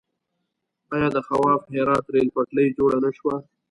آیا د خواف هرات ریل پټلۍ جوړه نه شوه؟